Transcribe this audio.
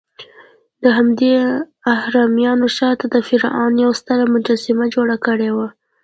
دهمدې اهرامونو شاته د فرعون یوه ستره مجسمه جوړه کړې وه.